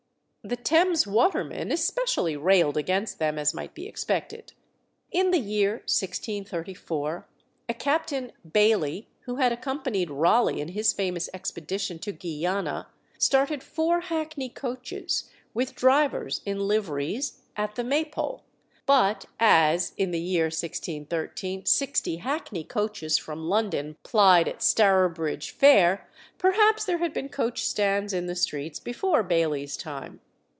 The Thames watermen especially railed against them, as might be expected. In the year 1634, a Captain Baily who had accompanied Raleigh in his famous expedition to Guiana, started four hackney coaches, with drivers in liveries, at the Maypole; but as, in the year 1613, sixty hackney coaches from London plied at Stourbridge fair, perhaps there had been coach stands in the streets before Baily's time.